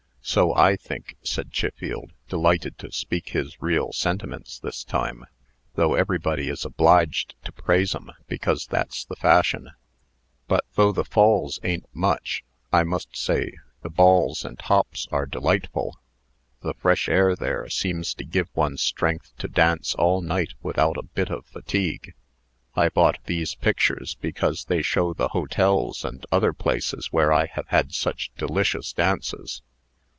"So I think," said Chiffield, delighted to speak his real sentiments this time; "though everybody is obliged to praise 'em, because that's the fashion." "But, though the Falls a'n't much, I must say the balls and hops are delightful. The fresh air there seems to give one strength to dance all night without a bit of fatigue. I bought these pictures because they show the hotels and other places where I have had such delicious dances."